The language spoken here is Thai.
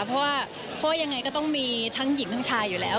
เพราะว่าเพราะว่ายังไงก็ต้องมีทั้งหญิงทั้งชายอยู่แล้ว